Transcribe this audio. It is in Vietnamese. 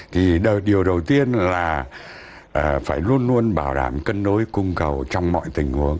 thì điều đầu tiên là phải luôn luôn bảo đảm cân đối cung cầu trong mọi tình huống